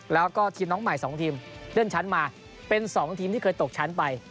แล้วก็ทีมน้องใหม่๒ทีมเลื่อนชั้นมาเป็น๒ทีมที่เคยตกชั้นไป